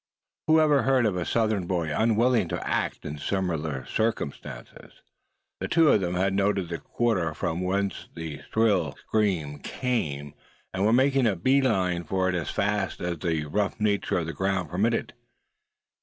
Whoever heard of a Southern boy unwilling to act in similar circumstances? The two of them had noted the quarter from whence the shrill scream came, and were making a bee line for it as fast as the rough nature of the ground permitted.